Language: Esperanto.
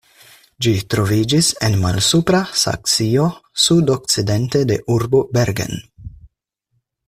Ĝi troviĝis en Malsupra Saksio sudokcidente de urbo Bergen.